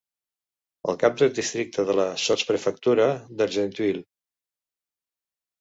El cap del districte és la sotsprefectura d'Argenteuil.